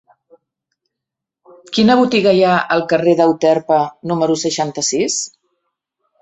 Quina botiga hi ha al carrer d'Euterpe número seixanta-sis?